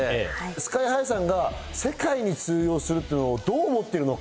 ＳＫＹ−ＨＩさんが世界に通用するっていうのをどう思ってるのか。